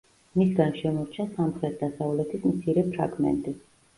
მისგან შემორჩა სამხრეთ-დასავლეთის მცირე ფრაგმენტი.